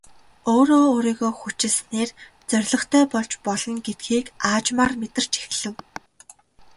Өөрөө өөрийгөө хүчилснээр зорилготой болж болно гэдгийг аажмаар мэдэрч эхлэв.